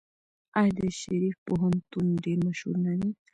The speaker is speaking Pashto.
آیا د شریف پوهنتون ډیر مشهور نه دی؟